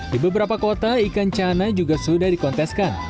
di beberapa kota ikan cana juga sudah dikonteskan